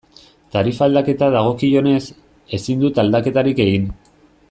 Tarifa aldaketa dagokionez, ezin dut aldaketarik egin.